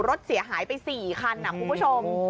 รถเสียหายไป๔คันคุณผู้ชม